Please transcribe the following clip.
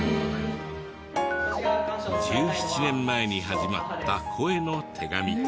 １７年前に始まった声の手紙。